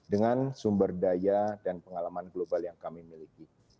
dengan sumber daya dan pengalaman global yang kami miliki